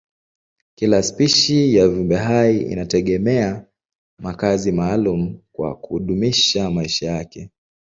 Kila spishi ya viumbehai inategemea makazi maalumu kwa kudumisha maisha yake.